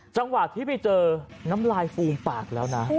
จังหวะที่ไปเจอน้ำลายฟูมปากแล้วนะ